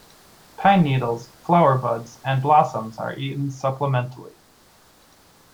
Pine needles, flower buds and blossoms are eaten supplementally.